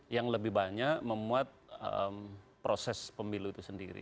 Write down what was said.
yang lebih banyak memuat proses pemilu itu sendiri